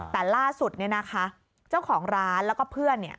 แต่ล่าสุดเนี่ยนะคะเจ้าของร้านแล้วก็เพื่อนเนี่ย